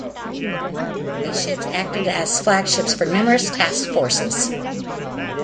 These ships acted as flagships for numerous task forces.